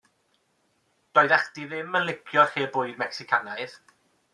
Doeddach chdi ddim yn licio'r lle bwyd Mecsicanaidd?